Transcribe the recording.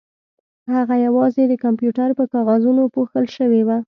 هغه یوازې د کمپیوټر په کاغذونو پوښل شوې وه